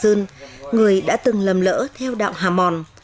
cơ dương là một trong những người đã từng lầm lỡ theo đạo hà mòn